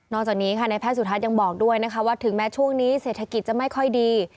จากนี้ค่ะในแพทย์สุทัศน์ยังบอกด้วยนะคะว่าถึงแม้ช่วงนี้เศรษฐกิจจะไม่ค่อยดี